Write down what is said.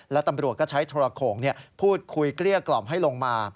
และตำรวจก็ใช้โทรโขงพูดคุยเกลี้ยกล่อมให้ลงมา